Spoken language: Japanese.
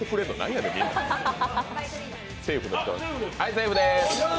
あっ、セーフです。